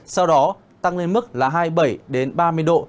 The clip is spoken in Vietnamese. sau đó tăng lên mức là hai mươi bảy ba mươi độ